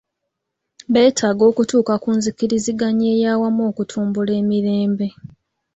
Betaaga okutuuka ku nzikiriziganya eyawamu okutumbula emirembe.